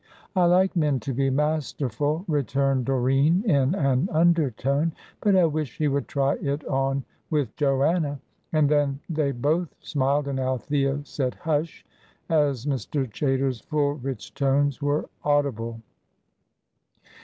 "I like men to be masterful," returned Doreen, in an undertone; "but I wish he would try it on with Joanna." And then they both smiled, and Althea said "hush!" as Mr. Chaytor's full, rich tones were audible.